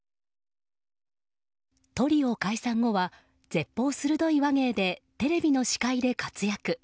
トリオ解散後は、舌鋒鋭い話芸でテレビの司会で活躍。